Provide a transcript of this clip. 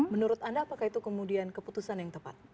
menurut anda apakah itu kemudian keputusan yang tepat